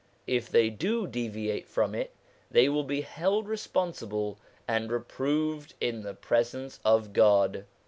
If they do deviate from it, they will be held responsible and reproved in the presence of God.